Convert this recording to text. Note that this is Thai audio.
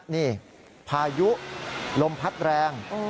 นี่พายุลมพัดแรง